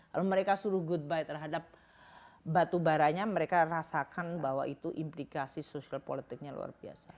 lalu mereka suruh good by terhadap batu baranya mereka rasakan bahwa itu implikasi sosial politiknya luar biasa